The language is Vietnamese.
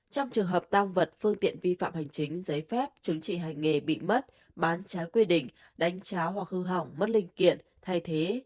trong trường hợp tăng vật phương tiện vi phạm hành chính giấy phép chứng trị hành nghề bị mất bán trái quy định đánh cháo hoặc hư hỏng mất linh kiện thay thế